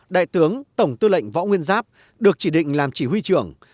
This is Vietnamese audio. đại tướng tổng tư lệnh võ nguyên giáp được chỉ định làm chỉ huy trưởng